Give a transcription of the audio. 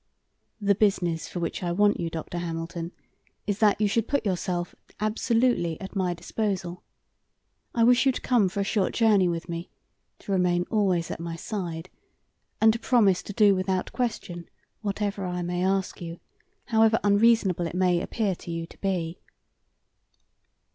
"The business for which I want you, Dr. Hamilton, is that you should put yourself absolutely at my disposal. I wish you to come for a short journey with me, to remain always at my side, and to promise to do without question whatever I may ask you, however unreasonable it may appear to you to be."